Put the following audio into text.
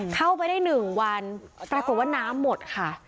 เข้าไปได้๑วันปรากฏว่าน้ำหมดค่ะ